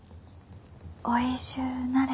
おいしゅうなれ。